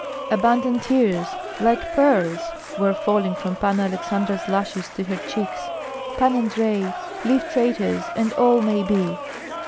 Abundant tears like pearls were falling from Panna Aleksandra's lashes to her cheeks. "Pan Andrei, leave traitors, and all may be."